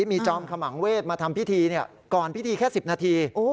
มีจอมขมังเวศมาทำพิธีก่อนพิธีแค่๑๐นาที